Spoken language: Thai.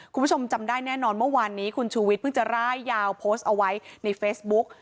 คุณผู้ชมจำได้แน่นอนเมื่อวานนี้คุณชูวิทยเพิ่งจะร่ายยาวโพสต์เอาไว้ในเฟซบุ๊ก